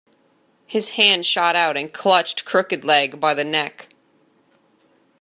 His hand shot out and clutched Crooked-Leg by the neck.